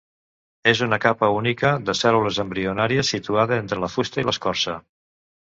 És una capa única de cèl·lules embrionàries situada entre la fusta i l'escorça.